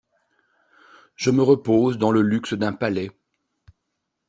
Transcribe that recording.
Je me repose dans le luxe d'un palais.